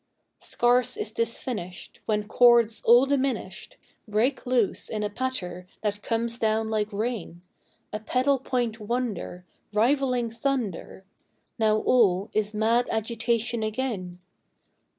Scarce is this finished When chords all diminished Break loose in a patter that comes down like rain, A pedal point wonder Rivaling thunder. Now all is mad agitation again.